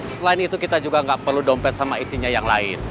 selain itu kita juga nggak perlu dompet sama isinya yang lain